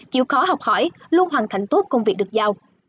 chịu khó học hỏi luôn hoàn thành tốt công việc được giao